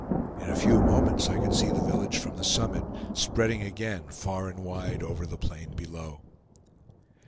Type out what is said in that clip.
In a few moments I could see the village from the summit, spreading again far and wide over the plain below.